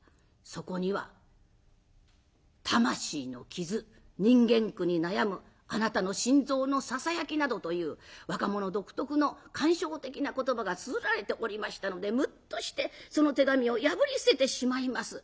そこには魂の傷人間苦に悩むあなたの心臓のささやきなどという若者独特の感傷的な言葉がつづられておりましたのでむっとしてその手紙を破り捨ててしまいます。